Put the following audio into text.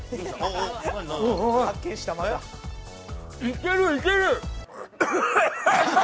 いけるいける。